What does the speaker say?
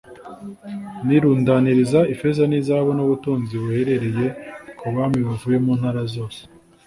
nirundaniriza ifeza n'izahabu, n'ubutunzi buherereye ku bami buvuye mu ntara zose